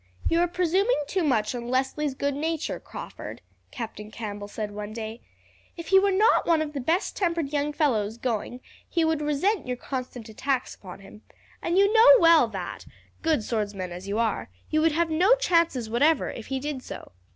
"You are presuming too much on Leslie's good nature, Crawford," Captain Campbell said one day. "If he were not one of the best tempered young fellows going he would resent your constant attacks upon him; and you know well that, good swordsman as you are, you would have no chances whatever if he did so."